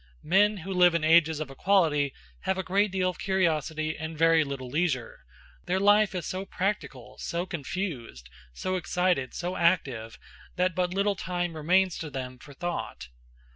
Men who live in ages of equality have a great deal of curiosity and very little leisure; their life is so practical, so confused, so excited, so active, that but little time remains to them for thought.